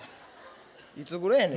いつぐらいやねん？